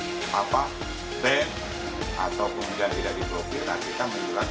kita menyulat kepada kementrian konfirmasional